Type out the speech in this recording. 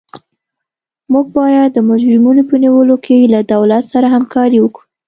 موږ باید د مجرمینو په نیولو کې له دولت سره همکاري وکړو.